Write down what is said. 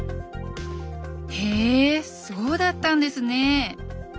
へえそうだったんですね！